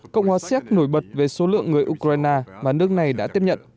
cộng hòa xéc nổi bật về số lượng người ukraine mà nước này đã tiếp nhận